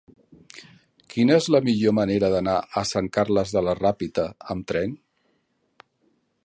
Quina és la millor manera d'anar a Sant Carles de la Ràpita amb tren?